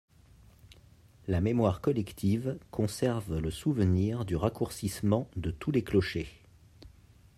La mémoire collective conserve le souvenir du raccourcissement de tous les clochers.